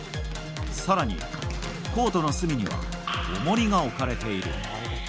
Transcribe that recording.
更に、コートの隅には重りが置かれている。